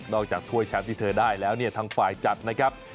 จากถ้วยแชมป์ที่เธอได้แล้วเนี่ยทางฝ่ายจัดนะครับ